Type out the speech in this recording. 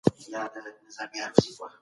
که کتابتون خلاص وي نو معلومات نه محدودېږي.